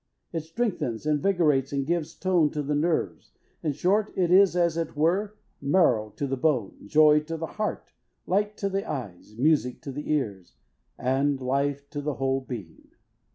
It strengthens, invigorates, and gives tone to the nerves. In short, it is, as it were, marrow to the bone, joy to the heart, light to the eyes, music to the ears, and life to the whole being.